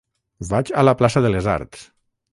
Vaig a la plaça de les Arts.